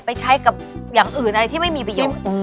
ไปใช้กับอย่างอื่นอะไรที่ไม่มีประโยชน์